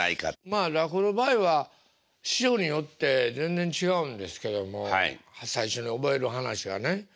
まあ落語の場合は師匠によって全然違うんですけども最初に覚える噺はね。